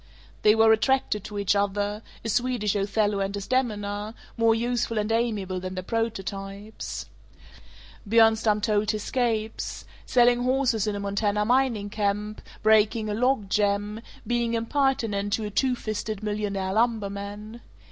They were attracted to each other; a Swedish Othello and Desdemona, more useful and amiable than their prototypes. Bjornstam told his scapes: selling horses in a Montana mining camp, breaking a log jam, being impertinent to a "two fisted" millionaire lumberman.